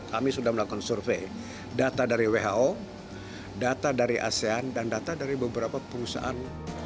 kami sudah melakukan survei data dari who data dari asean dan data dari beberapa perusahaan